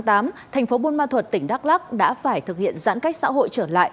thành phố buôn ma thuật tỉnh đắk lắc đã phải thực hiện giãn cách xã hội trở lại